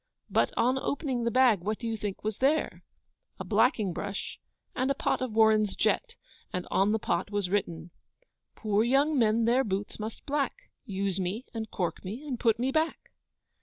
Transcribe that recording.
But on opening the bag, what do you think was there? A blacking brush and a pot of Warren's jet, and on the pot was written: Poor young men their boots must black: Use me and cork me and put me back.